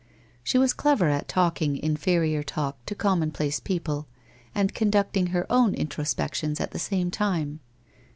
She was clever at talking inferior talk to commonplace people and conducting her own introspections at the same time.